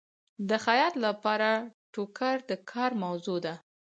د خیاط لپاره ټوکر د کار موضوع ده.